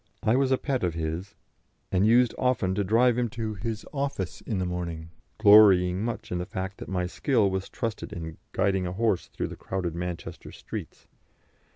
I was a pet of his, and used often to drive him to his office in the morning, glorying much in the fact that my skill was trusted in guiding a horse through the crowded Manchester streets.